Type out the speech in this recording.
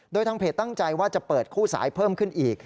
โดยทางเพจตั้งใจว่าจะเปิดคู่สายเพิ่มขึ้นอีก